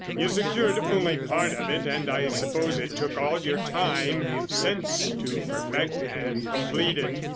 You secured only part of it and I suppose it took all your time since to perfect and complete it.